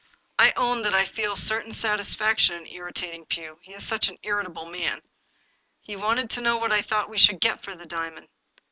I own that I feel a certain satisfaction in irritat ing Pugh, he is such an irritable man. He wanted to know what I thought we should get for the diamond.